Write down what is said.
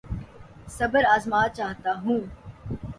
صبر آزما چاہتا ہوں